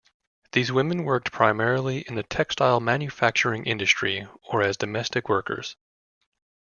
These women worked primarily in the textile manufacturing industry or as domestic workers.